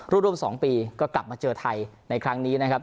ร่วม๒ปีก็กลับมาเจอไทยในครั้งนี้นะครับ